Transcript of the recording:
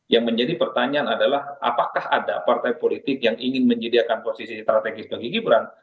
yang menjadi pertanyaan adalah apakah ada partai politik yang ingin menyediakan posisi strategis bagi gibran